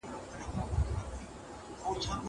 زه پرون ليکنې کوم!!